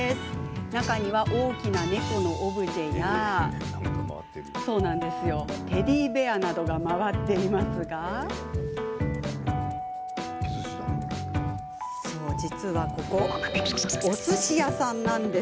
中には、大きな猫のオブジェやテディベアなどが回っていますが実はここ、おすし屋さん。